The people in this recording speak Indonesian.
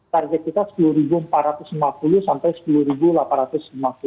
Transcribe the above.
target kita rp sepuluh empat ratus lima puluh sampai rp sepuluh delapan ratus lima puluh